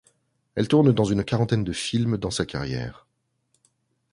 Elle tourne dans une quarantaine de films dans sa carrière.